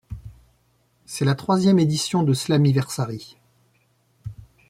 C'est la troisième édition de Slammiversary.